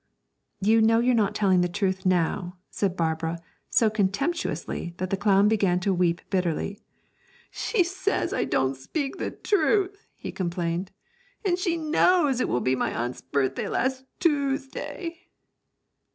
'You know you're not telling the truth now,' said Barbara, so contemptuously, that the clown began to weep bitterly. 'She says I don't speak the truth!' he complained, 'and she knows it will be my aunt's birthday last Toosday!'